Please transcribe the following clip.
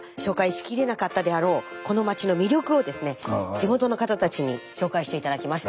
地元の方たちに紹介して頂きました。